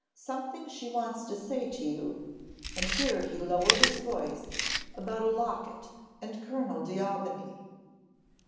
Something she wants to say to you,' and here he lowered his voice, 'about a locket, and Colonel D'Aubigny.